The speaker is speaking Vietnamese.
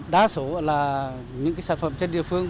đa số là những sản phẩm trên địa phương